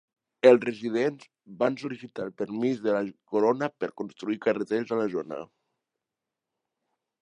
Els residents van sol·licitar el permís de la Corona per construir carreteres a la zona.